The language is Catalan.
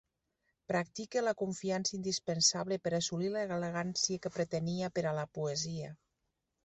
Practique la confiança indispensable per assolir l'elegància que pretenia per a la poesia.